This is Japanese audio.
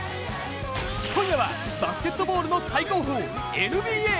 今夜はバスケットボールの最高峰・ＮＢＡ。